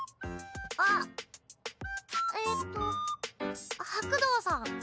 あっえっと白道さん。